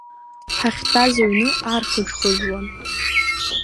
Ҳахьтәаз аҩны архыџхыџуан.